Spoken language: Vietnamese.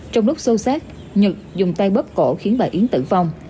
trong lúc sâu sát nhật dùng tay bấp cổ khiến bà yến tử vong